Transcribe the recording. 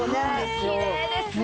きれいですよね！